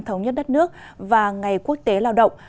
thống nhất đất nước và ngày quốc tế lao động